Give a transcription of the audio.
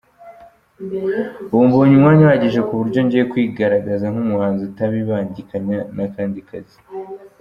Ubu mbonye umwanya uhagije ku buryo ngiye kwigaragaza nk’umuhanzi utabibangikanya n’akandi kazi.